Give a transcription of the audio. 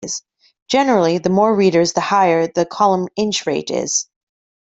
Generally, the more readers the higher the column inch rate is.